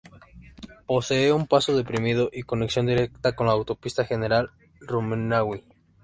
Posee un paso deprimido y conexión directa con la Autopista General Rumiñahui.